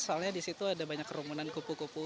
soalnya disitu ada banyak kerumunan pupu pupu